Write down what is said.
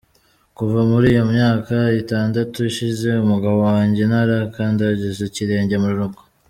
Kuva muri iyo myaka itandatu ishize, umugabo wanjye ntarakandagiza ikirenge mu rugo.